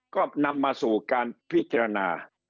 ก็นำมาสู่การพิจารณา